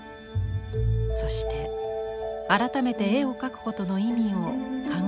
そして改めて絵を描くことの意味を考えることになります。